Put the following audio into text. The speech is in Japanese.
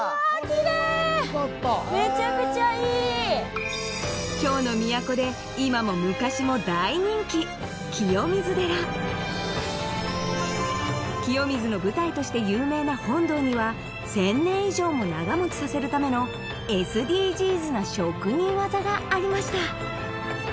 これは見事メチャクチャいい京の都で今も昔も大人気清水の舞台として有名な本堂には１０００年以上も長持ちさせるためのＳＤＧｓな職人技がありました